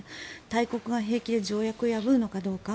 大国が平気で条約を破るのかどうか。